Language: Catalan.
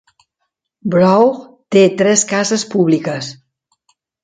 Brough té tres cases públiques.